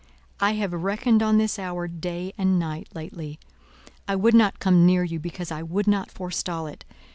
I have reckoned on this hour day and night lately. I would not come near you, because I would not forestall it.